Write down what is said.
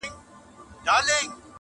مرګ له خدایه په زاریو ځانته غواړي!!